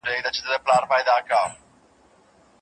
ځینې وايي کرفس کالوري سوځوي.